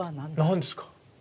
何ですか？